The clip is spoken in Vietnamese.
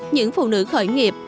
những phụ nữ khởi nghiệp